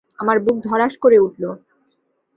আমার বুক ধড়াস করে উঠল।